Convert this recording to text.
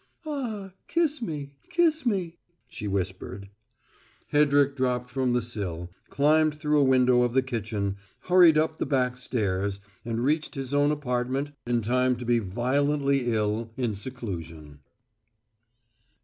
"Ah, kiss me! Kiss me!" she whispered. Hedrick dropped from the sill, climbed through a window of the kitchen, hurried up the back stairs, and reached his own apartment in time to be violently ill in seclusion.